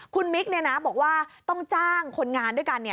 คุณมิกเนี่ยนะบอกว่าต้องจ้างคนงานด้วยกัน